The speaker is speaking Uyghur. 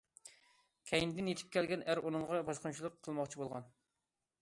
كەينىدىن يېتىپ كەلگەن ئەر ئۇنىڭغا باسقۇنچىلىق قىلماقچى بولغان.